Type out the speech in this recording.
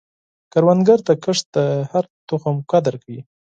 کروندګر د کښت د هر تخم قدر کوي